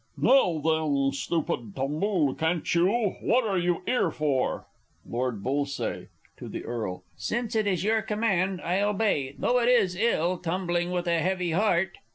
Now then, stoopid, tumble, can't you what are you 'ere for? Lord B. (to the Earl). Since it is your command, I obey, though it is ill tumbling with a heavy heart!